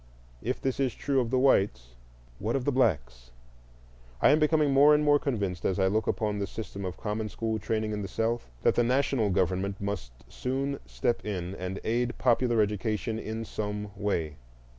If this is true of the whites, what of the blacks? I am becoming more and more convinced, as I look upon the system of common school training in the South, that the national government must soon step in and aid popular education in some way.